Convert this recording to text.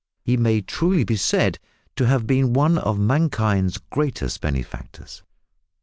He may truly be said to have been one of mankind's greatest benefactors.